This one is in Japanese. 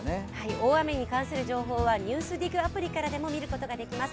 大雨に関する情報はＮＥＷＳＤＩＧアプリからでも見ることができます。